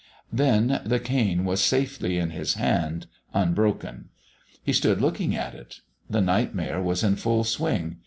Then the cane was safely in his hand, unbroken. He stood looking at it. The Nightmare was in full swing.